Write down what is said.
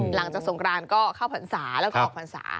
หลังจากสงกรานก็เข้าฟันศาแล้วก็ออกฟันศา